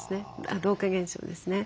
老化現象ですね。